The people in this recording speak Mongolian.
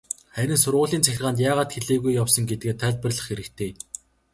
Харин сургуулийн захиргаанд яагаад хэлээгүй явсан гэдгээ тайлбарлах хэрэгтэй.